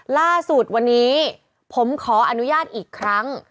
ล่าสุดผมขออนุญาตอีกครั้ง